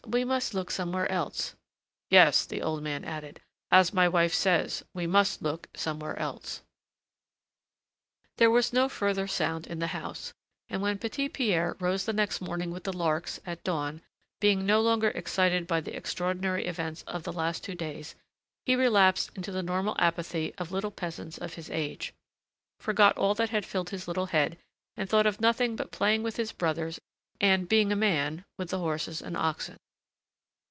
We must look somewhere else." "Yes," the old man added, "as my wife says, we must look somewhere else." There was no further sound in the house, and when Petit Pierre rose the next morning with the larks, at dawn, being no longer excited by the extraordinary events of the last two days, he relapsed into the normal apathy of little peasants of his age, forgot all that had filled his little head, and thought of nothing but playing with his brothers, and being a man with the horses and oxen.